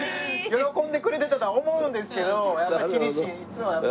喜んでくれてたとは思うんですけど厳しい。